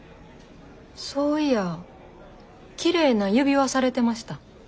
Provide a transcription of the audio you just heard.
そういやきれいな指輪されてました。